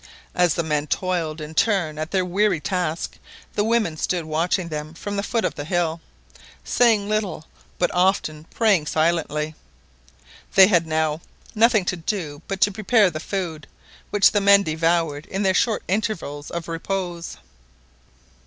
As the men toiled in turn at their weary task the women stood watching them from the foot of a hill, saying little, but often praying silently. They had now nothing to do but to prepare the food, which the men devoured in their short intervals of repose.